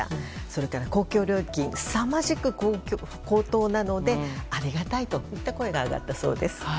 それから、公共料金がすさまじく高騰しているのでありがたいといった声が上がったそうです。